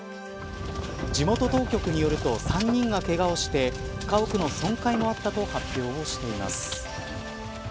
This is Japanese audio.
地元当局によると３人がけがをして家屋の損壊もあったと発表をしています。